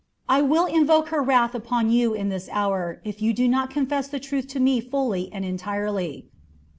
I will invoke her wrath upon you in this hour if you do not confess the truth to me fully and entirely."